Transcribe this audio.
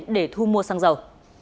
để thu mua xăng dầu